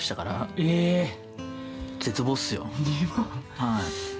はい。